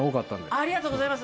ありがとうございます。